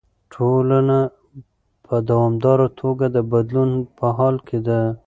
ټولنه په دوامداره توګه د بدلون په حال کې ده.